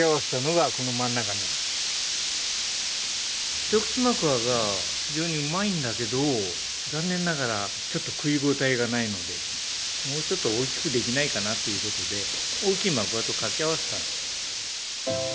ひとくちまくわが非常にうまいんだけど残念ながらちょっと食い応えがないのでもうちょっと大きくできないかなということで大きいマクワと掛け合わせたんです。